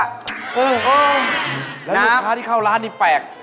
โอ้โหแล้วลูกค้าที่เข้าร้านนี่แปลก